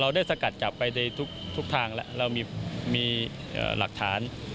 เราได้สกัดจับไปในทุกทางละเรามีอ่ามีอ่าหลักฐาน